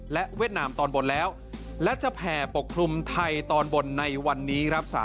และเวียดนามตอนบนแล้วและจะแผ่ปกคลุมไทยตอนบนในวันนี้ครับ